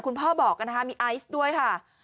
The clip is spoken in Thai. คุณพ่อบอกกันมีไอซ์ด้วยค่ะ